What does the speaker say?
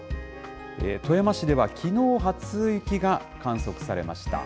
富山市では、きのう、初雪が観測されました。